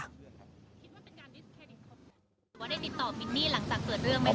หรือว่าได้ติดต่อมินนี่หลังจากเกิดเรื่องไหมครับ